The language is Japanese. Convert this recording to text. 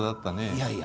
いやいや